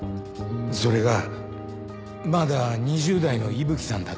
それがまだ２０代の伊吹さんだったんだ。